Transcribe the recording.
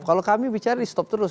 kalau kami bicara di stop terus